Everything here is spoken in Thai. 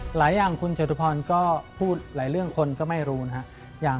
หลายอย่างคุณจตุพรก็พูดหลายเรื่องคนก็ไม่รู้นะครับ